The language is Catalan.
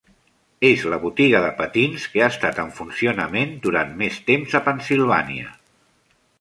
És la botiga de patins que ha estat en funcionament durant més temps a Pennsilvània.